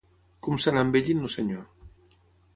Com s'anà envellint el senyor?